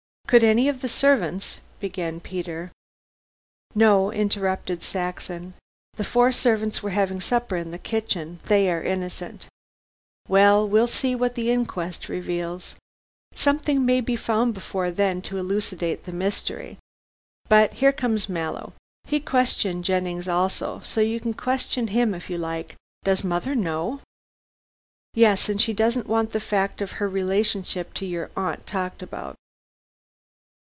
"Could any of the servants " began Peter. "No," interrupted Saxon. "The four servants were having supper in the kitchen. They are innocent. Well, we'll see what the inquest reveals. Something may be found before then likely to elucidate the mystery. But here comes Mallow. He questioned Jennings also, so you can question him if you like. Does mother know?" "Yes. And she doesn't want the fact of her relationship to your aunt talked about."